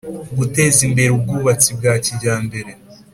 Guteza imbere ubwubatsi bwa kijyambere